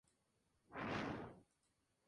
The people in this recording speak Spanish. Todo el fondo recaudado será donado a Oxfam.